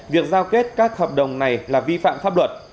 việc giao kết các hợp đồng này là vi phạm pháp luật